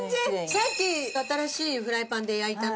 さっき新しいフライパンで焼いたんですよね。